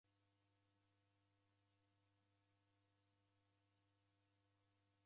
W'ushuda ghokundika imbiri ya kesi kutanywa.